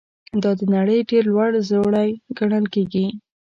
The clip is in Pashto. دا د نړۍ ډېر لوړ ځړوی ګڼل کیږي.